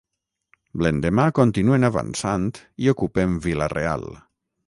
L'endemà continuen avançant i ocupen Vila-real.